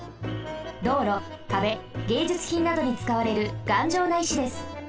どうろかべげいじゅつひんなどにつかわれるがんじょうな石です。